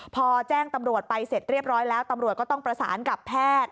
พอแจ้งตำรวจไปเสร็จเรียบร้อยแล้วตำรวจก็ต้องประสานกับแพทย์